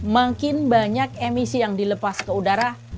makin banyak emisi yang dilepas ke udara